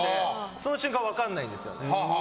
その瞬間は分かんないんですよね。